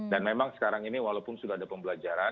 dan memang sekarang ini walaupun sudah ada pembelajaran